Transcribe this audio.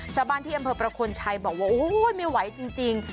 ชาวบ้านที่อำเภอประคลชัยบอกว่าโอ้ยไม่ไหวจริง